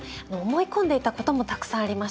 思い込んでいたこともたくさんありました。